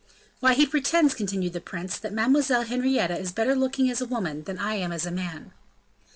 "Why, he pretends," continued the prince, "that Mademoiselle Henrietta is better looking as a woman than I am as a man."